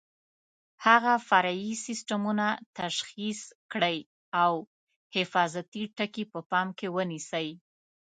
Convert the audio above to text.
هغه فرعي سیسټمونه تشخیص کړئ او حفاظتي ټکي په پام کې ونیسئ.